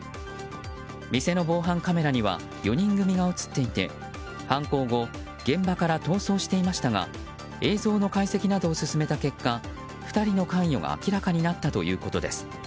店の防犯カメラには４人組が映っていて犯行後現場から逃走していましたが映像の解析などを進めた結果２人の関与が明らかになったということです。